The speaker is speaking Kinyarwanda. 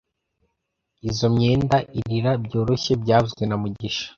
Izoi myenda irira byoroshye byavuzwe na mugisha